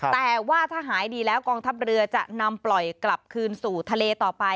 แต่ว่าถ้าหายดีแล้วกองทัพเรือ